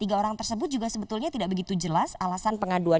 tiga orang tersebut juga sebetulnya tidak begitu jelas alasan pengaduan